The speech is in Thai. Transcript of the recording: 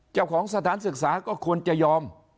เจ้าของสถานศึกษาก็ควรจะยอม